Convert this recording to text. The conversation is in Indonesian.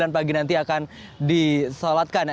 sembilan pagi nanti akan disolatkan